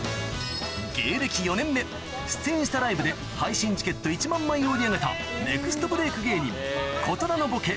芸歴４年目出演したライブで配信チケット１万枚を売り上げたネクストブレーク芸人小虎のボケ